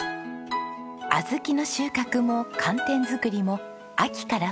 小豆の収穫も寒天作りも秋から冬。